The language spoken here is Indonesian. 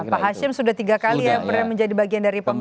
pak hashim sudah tiga kali yang pernah menjadi bagian dari pemilu